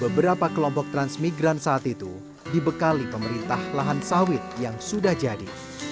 beberapa kelompok transmigran saat itu dibekali pemerintah lahan sawit yang sudah jadi